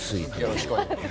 よろしくお願いします。